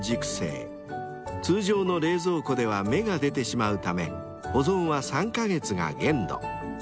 ［通常の冷蔵庫では芽が出てしまうため保存は３カ月が限度］